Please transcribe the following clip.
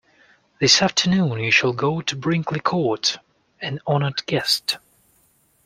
This afternoon you shall go to Brinkley Court, an honoured guest.